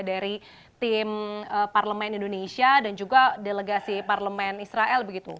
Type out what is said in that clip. dari tim parlemen indonesia dan juga delegasi parlemen israel begitu